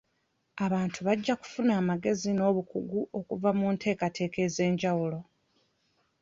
Abantu bajja kufuna amagezi n'obukugu okuva mu nteekateeka ez'enjawulo.